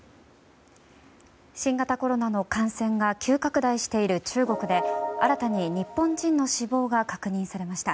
新型コロナの感染が急拡大している中国で新たに日本人の死亡が確認されました。